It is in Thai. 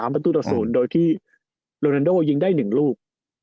๓ประตูตะศูนย์โดยที่โรนานด้วยยิงได้๑รูป